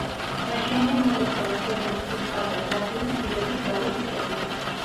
ნაშენია მოყვითალო შირიმის ქვის კარგად გათლილი ფილების სწორი რიგებით.